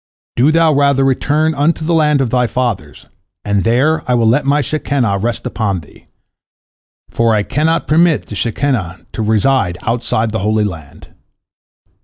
Do thou rather return unto the land of thy fathers, and there I will let My Shekinah rest upon thee, for I cannot permit the Shekinah to reside outside of the Holy Land."